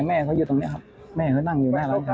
เจ้าแต่งชุดเป็นหลายความปอะมาไห้อยู่ครับ